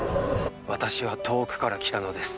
私は遠くから来たのです。